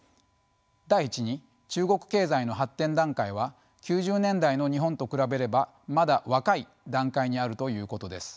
第１に中国経済の発展段階は９０年代の日本と比べればまだ「若い」段階にあるということです。